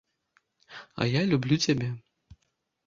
А я люблю цябе!